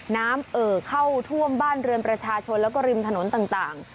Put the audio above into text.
เอ่อเข้าท่วมบ้านเรือนประชาชนแล้วก็ริมถนนต่าง